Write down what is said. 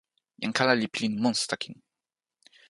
jan kala li pilin monsuta kin.